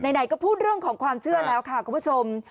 ไหนก็พูดเรื่องของความเชื่อแล้วค่ะคุณผู้ชม